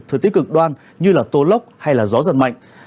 thứ tích cực đoan như là tố lốc hay là gió giật mạnh